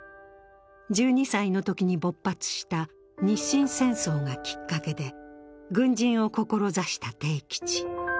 １２歳の時に勃発した日清戦争がきっかけで軍人を志した悌吉。